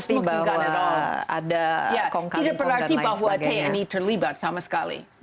tidak berarti bahwa tni terlibat sama sekali